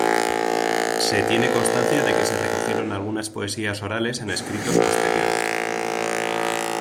Se tiene constancia de que se recogieron algunas poesías orales en escritos posteriores.